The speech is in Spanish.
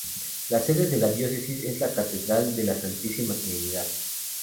La sede de la Diócesis es la Catedral de la Santísima Trinidad.